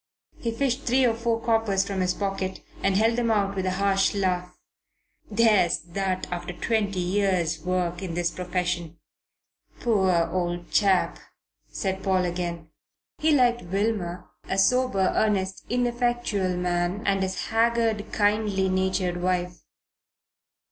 He fished three or four coppers from his pocket and held them out with a harsh laugh. "There's that after twenty years' work in this profession." "Poor old chap!" said Paul again. He liked Wilmer, a sober, earnest, ineffectual man, and his haggard, kindly natured wife.